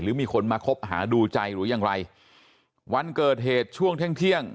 กับได้มีคนมาคบหาดูใจหรือยังไงวันเกิดเหตุช่วงเที่ยง